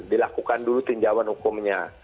dilakukan dulu pinjauan hukumnya